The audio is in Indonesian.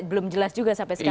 belum jelas juga sampai sekarang